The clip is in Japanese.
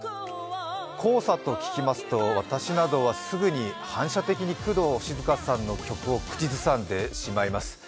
黄砂と聞きますと私などはすぐに反射的に工藤静香の曲を口ずさんでしまいます。